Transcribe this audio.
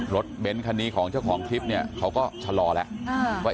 เบ้นคันนี้ของเจ้าของคลิปเนี่ยเขาก็ชะลอแล้วว่า